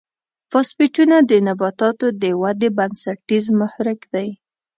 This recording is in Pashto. فاسفیټونه د نباتاتو د ودې بنسټیز محرک دی.